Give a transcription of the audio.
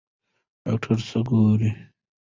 ډاکټره څه ګوري؟